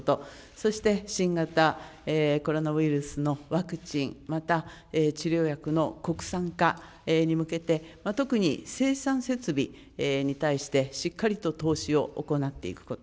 そして新型コロナウイルスのワクチン、また治療薬の国産化に向けて、特に生産設備に対して、しっかりと投資を行っていくこと。